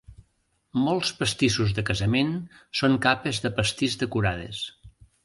Molts pastissos de casament són capes de pastís decorades.